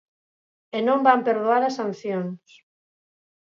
E non van perdoar as sancións.